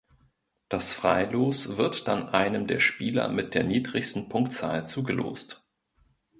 Das Freilos wird dann einem der Spieler mit der niedrigsten Punktzahl zugelost.